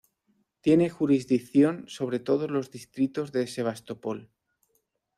Tiene jurisdicción sobre todos los distritos de Sebastopol.